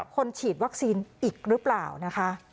คนฉีดวัคซีนอีกหรือเปล่านะคะ